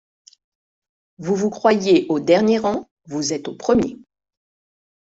Vous vous croyez au dernier rang, vous êtes au premier.